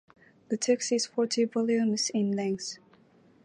The text is forty volumes in length.